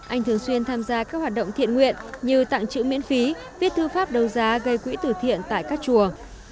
anh thường xuyên tham gia các hoạt động thiện nguyện như tặng chữ miễn phí viết thư pháp đầu giá gây quỹ tử thiện tại các chùa